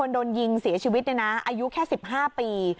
โดนยิงเสียชีวิตเนี่ยนะอายุแค่๑๕ปี